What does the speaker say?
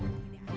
aduh ini kan